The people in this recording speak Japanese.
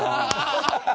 ハハハハ！